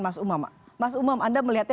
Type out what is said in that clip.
mas umam mas umam anda melihatnya